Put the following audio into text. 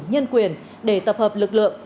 nhân quyền để tập hợp lực lượng